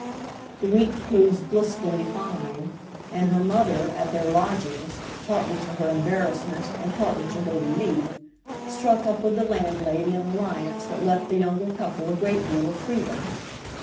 The week proves blissfully fine, and her mother, at their lodgings—partly to her embarrassment and partly to her relief—struck up with the landlady an alliance that left the younger couple a great deal of freedom.